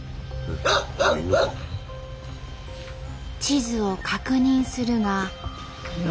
地図を確認するが。